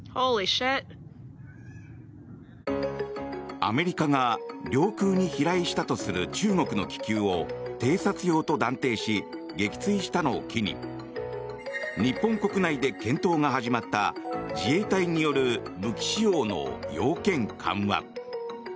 アメリカが領空に飛来したとする中国の気球を偵察用と断定し撃墜したのを機に日本国内で検討が始まった自衛隊による武器使用の要件緩和。